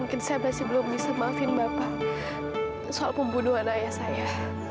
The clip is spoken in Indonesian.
mungkin saya masih belum bisa maafin bapak soal pembunuhan ayah saya